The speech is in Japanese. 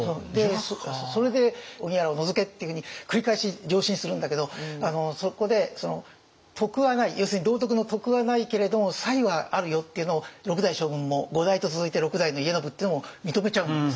それで荻原を除けっていうふうに繰り返し上申するんだけどそこで徳はない要するに道徳の徳はないけれども才はあるよっていうのを六代将軍も五代と続いて六代の家宣っていうのも認めちゃうんですね。